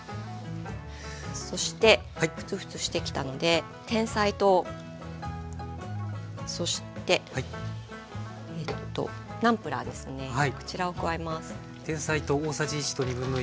そしてフツフツしてきたのでてんさい糖そしてナムプラーですねこちらを加えます。